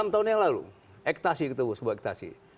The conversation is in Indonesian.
enam tahun yang lalu ektasi ketemu sebuah ektasi